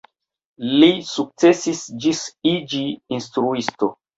Li sukcesis ĝis iĝi instruisto.